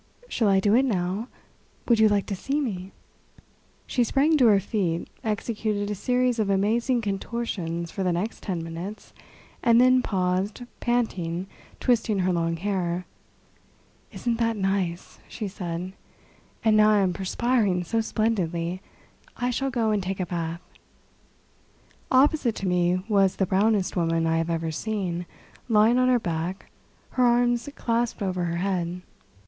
"Shall I do it now? Would you like to see me?" She sprang to her feet, executed a series of amazing contortions for the next ten minutes, and then paused, panting, twisting her long hair. "Isn't that nice?" she said. "And now I am perspiring so splendidly. I shall go and take a bath." Opposite to me was the brownest woman I have ever seen, lying on her back, her arms clasped over her head.